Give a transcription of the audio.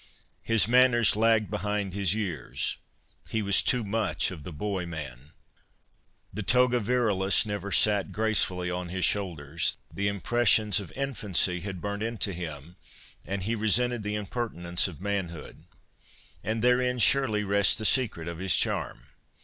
His manners lagged behind his years. He was too much of the boy man. The toga virilis never sate gracefully on his shoulders. The impressions of infancy had burnt into him, and he resented the impertinence of manhood.' And therein, surely, rests the secret of his charm.